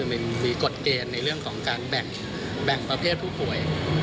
มันมีกฎเกณฑ์ในเรื่องของการแบ่งประเภทผู้ป่วย